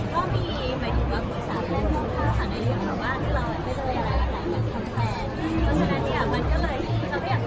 ตอนนี้เราเจอเพราะว่าไม่ส่วนร่างกายไม่ส่วนการทำแบบทุกอย่าง